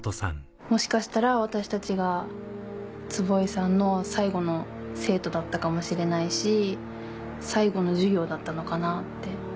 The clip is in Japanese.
もしかしたら私たちが坪井さんの最後の生徒だったかもしれないし最後の授業だったのかなって。